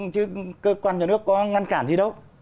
chứ cơ quan nhà nước có ngăn cản gì đâu